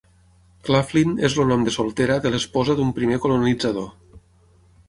Claflin és el nom de soltera de l'esposa d'un primer colonitzador.